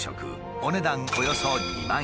お値段およそ２万円。